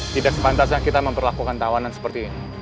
tidak sepantasan kita memperlakukan tawanan seperti ini